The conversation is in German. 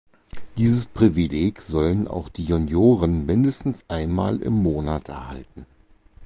Dieses Privileg sollen auch die Junioren mindestens einmal im Monat erhalten.